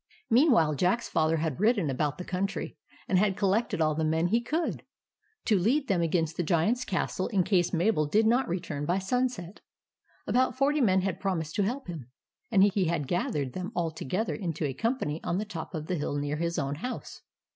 Meanwhile Jack's Father had ridden about the country, and had collected all the men he could, to lead them against the Giant's castle in case Mabel did not return by sunset. About forty men had promised to help him, and he had gathered them all to gether into a company on the top of the hill near his own house.